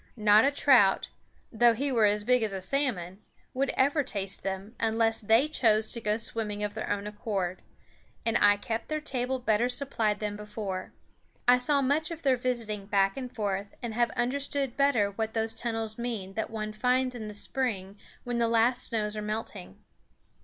Not a trout, though he were big as a salmon, would ever taste them, unless they chose to go swimming of their own accord; and I kept their table better supplied than before. I saw much of their visiting back and forth, and have understood better what those tunnels mean that one finds in the spring when the last snows are melting.